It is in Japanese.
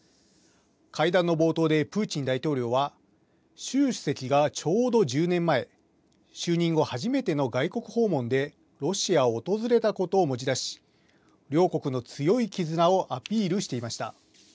会談の冒頭でプーチン大統領は、習主席がちょうど１０年前、就任後初めての外国訪問で、ロシアを訪れたことを持ち出し、両国の強い絆をアピールしていました。